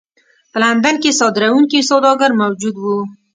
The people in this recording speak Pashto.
په لندن کې صادروونکي سوداګر موجود وو.